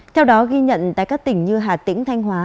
theo đó ghi nhận tại các tỉnh như hà tĩnh thanh hóa